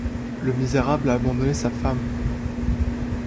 Le misérable a abandonné sa femme!